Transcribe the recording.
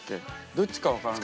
どっちか分からない。